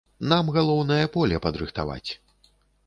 Нам галоўнае поле падрыхтаваць.